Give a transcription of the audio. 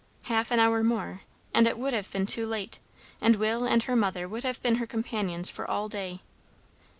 Half an hour more, and it would have been too late, and Will and her mother would have been her companions for all day.